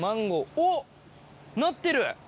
おっ、なってる。